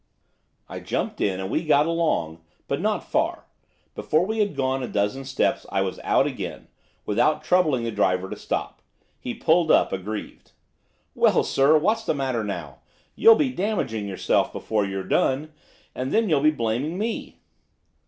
I jumped in, and we got along, but not far. Before we had gone a dozen yards, I was out again, without troubling the driver to stop. He pulled up, aggrieved. 'Well, sir, what's the matter now? You'll be damaging yourself before you've done, and then you'll be blaming me.